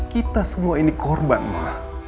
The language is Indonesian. kita semua ini korban malah